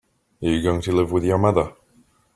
Are you going to live with your mother?